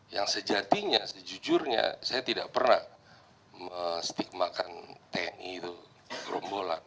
yang sejatinya sejujurnya saya tidak pernah menstigmakan tni itu gerombolan